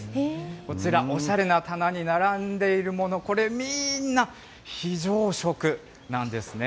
こちら、おしゃれな棚に並んでいるもの、これ、みーんな非常食なんですね。